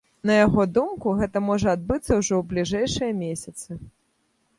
На яго думку, гэта можа адбыцца ўжо ў бліжэйшыя месяцы.